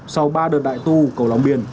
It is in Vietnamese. sau ba đợt đại tu cầu long biên